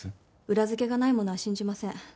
裏づけがないものは信じません。